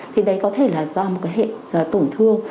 thì đấy có thể là do một cái hệ tổn thương